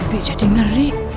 ibi jadi ngeri